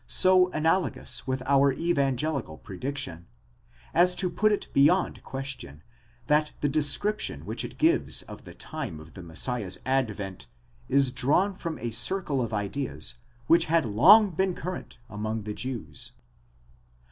® so analogous with our evangelical prediction, as to put it beyond question, that the description which it gives of the time of the Messiah's advent is drawn from a circle of ideas which had long been current among the Jews.